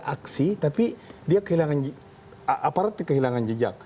tidak ada aksi tapi dia kehilangan aparatnya kehilangan jejak